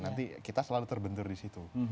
nanti kita selalu terbentur di situ